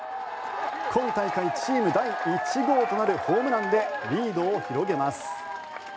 今大会チーム第１号となるホームランでリードを広げます。